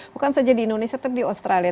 bukan saja di indonesia tapi di australia